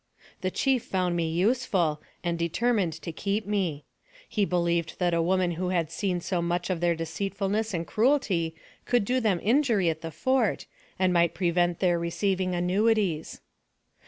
The chief found me useful, and determined to keep me. He believed that a woman who had seen so much of their deceitfulness and cruelty could do them injury at the fort, and might prevent their receiving annuities.